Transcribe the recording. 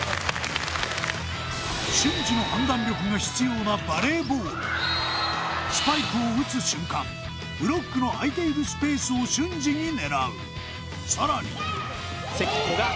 瞬時の判断力が必要なバレーボールスパイクを打つ瞬間ブロックの空いているスペースを瞬時に狙うさらに関古賀